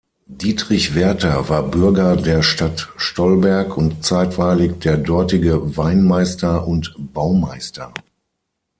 Dietrich Werther war Bürger der Stadt Stolberg und zeitweilig der dortige Weinmeister und Baumeister.